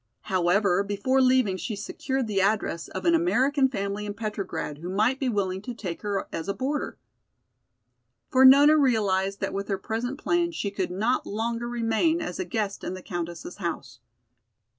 However, before leaving she secured the address of an American family in Petrograd who might be willing to take her as a boarder. For Nona realized that with her present plan she could not longer remain as a guest in the Countess' house.